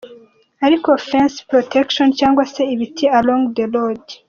ariko fence protection cg se ibiti along the road.